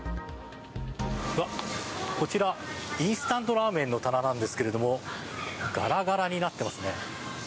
こちらインスタントラーメンの棚なんですがガラガラになっていますね。